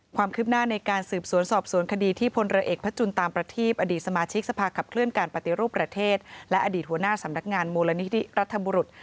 ความคืบหน้าในการสืบสวนสอบสวนคดีที่พลเรือเอกพระจุลตามประทีปอดีตสมาชิกสภาขับเคลื่อนการปฏิรูปประเทศและอดีตหัวหน้าสำนักงานมูลนิธิรัฐบุรุษ